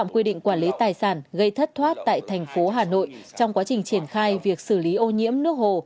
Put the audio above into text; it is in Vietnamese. quản lý tài sản gây thất thoát tại tp hà nội trong quá trình triển khai việc xử lý ô nhiễm nước hồ